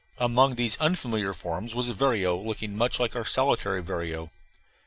Among these unfamiliar forms was a vireo looking much like our solitary vireo.